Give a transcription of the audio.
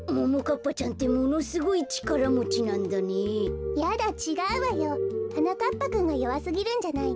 ぱくんがよわすぎるんじゃないの？